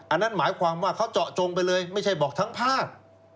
อันนั้นหมายความว่าเขาเจาะจงไปเลยไม่ใช่บอกทั้งภาค